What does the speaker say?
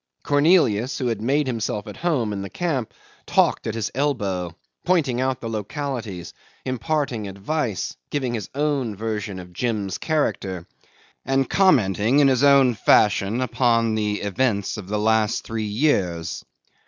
Cornelius, who had made himself at home in the camp, talked at his elbow, pointing out the localities, imparting advice, giving his own version of Jim's character, and commenting in his own fashion upon the events of the last three years.